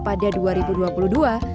pada dua ribu dua puluh dua